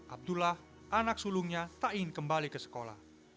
abdullah anak sulungnya tak ingin kembali ke sekolah